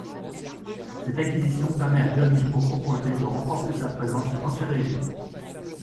Cette acquisition permet à Derichebourg Propreté de renforcer sa présence dans ces régions.